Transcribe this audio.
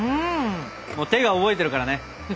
もう手が覚えてるからね！